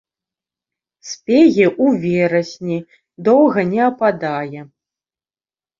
Спее ў верасні, доўга не ападае.